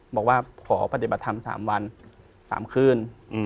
บอกว่าขอปฏิบัติธรรม๓วัน๓คืน